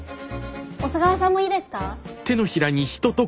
小佐川さんもいいですか？